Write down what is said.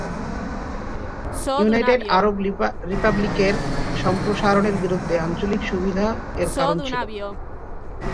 United Arab রিপাবলিকের সম্প্রসারণের বিরুদ্ধে আঞ্চলিক সুবিধা এর কারণ ছিল।